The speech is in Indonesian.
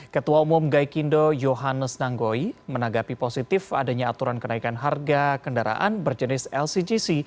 ketua umum gaikindo yohannes nanggoy menanggapi positif adanya aturan kenaikan harga kendaraan berjenis lcgc